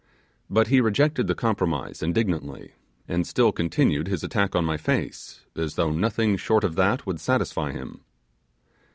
But he rejected the compromise indignantly, and still continued his attack on my face, as though nothing short of that would satisfy him.